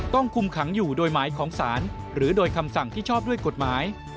ต้องคุมขังอยู่โดยหมายของศาลหรือโดยคำสั่งที่ชอบด้วยกฎหมาย